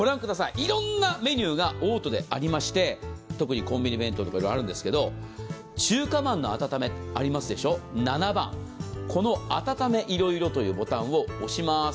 いろんなメニューがオートでありまして、特にコンビに弁当とかいろいろあるんですけど、中華まんの温め、７番このあたためいろいろというボタンを押します。